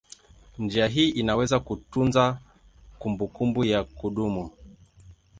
Njia hii inaweza kutunza kumbukumbu ya kudumu.